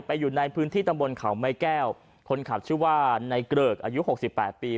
อยู่ในพื้นที่ตำบลเขาไม้แก้วคนขับชื่อว่าในเกริกอายุหกสิบแปดปี